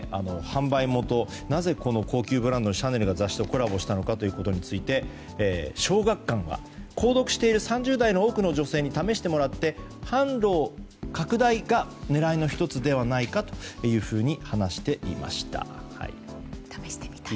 販売元、なぜこの高級ブランドのシャネルが雑誌とコラボしたのかということについて、小学館は購読している３０代の女性の多くに試してもらって販路拡大が狙いの１つではないかと話していました。